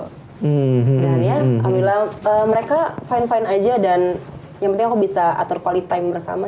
dan ya alhamdulillah mereka fine fine aja dan yang penting aku bisa atur quality time bersama